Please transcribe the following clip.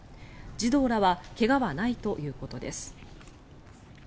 児童らは怪我はないということです。